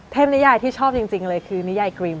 นิยายที่ชอบจริงเลยคือนิยายกรีม